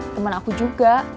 temen aku juga